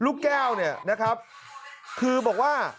ลูกแก้วเนี่ยนะครับคือบอกว่า